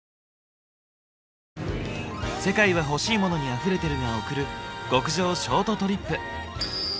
「世界はほしいモノにあふれてる」が贈る極上ショートトリップ。